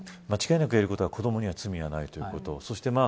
間違いなく言えることは子どもには罪がないということ。